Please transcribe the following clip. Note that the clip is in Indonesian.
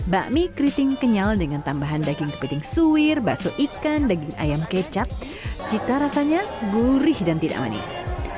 bakmi keriting kenyal dengan tambahan daging kepiting suwir bakso ikan daging ayam kecap cita rasanya gurih dan tidak manis